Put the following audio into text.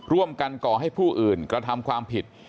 ก่อให้ผู้อื่นกระทำความผิด